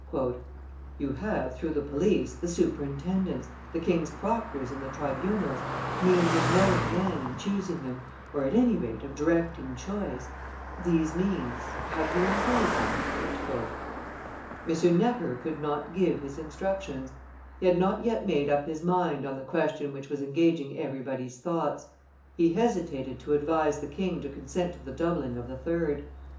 "You have, through the police, the superintendents, the king's proctors in the tribunals, means of knowing men and choosing them, or, at any rate, of directing choice; these means, have you employed them?" M. Necker could not give his instructions; he had not yet made up his mind on the question which was engaging everybody's thoughts; he hesitated to advise the king to consent to the doubling of the third.